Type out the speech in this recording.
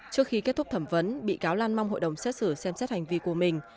trước khi kết thúc thẩm vấn bị cáo lan mong hội đồng xét xử xem xét hành vi của mình